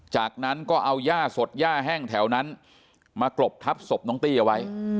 จากนั้นก็เอาย่าสดย่าแห้งแถวนั้นมากรบทับศพน้องตี้เอาไว้